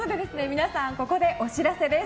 皆さん、ここでお知らせです。